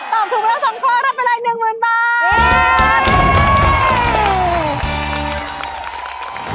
ตอบถูกแล้ว๒คนรับไปราย๑๐๐๐๐บาท